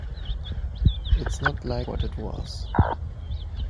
It’s not like what it was.